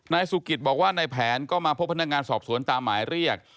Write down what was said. สุกิตบอกว่าในแผนก็มาพบพนักงานสอบสวนตามหมายเรียก